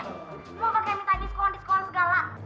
semua pakai minta diskon diskon segala